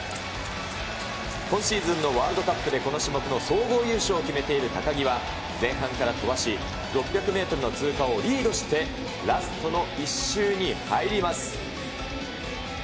今シーズンのワールドカップでこの種目の総合優勝を決めている高木は前半から飛ばし、６００メートルの通過をリードして、ラストの１周に入ります。